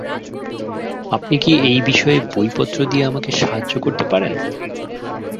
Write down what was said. আপনি কি এই বিষয়ে বইপত্র দিয়ে আমাকে সাহায্য করতে পারেন?